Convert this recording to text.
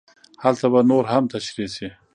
هلته به نور هم تشرېح شي.